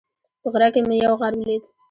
په غره کې مې یو غار ولید